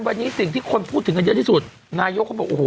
วันนี้สิ่งที่คนพูดถึงกันเยอะที่สุดนายกเขาบอกโอ้โห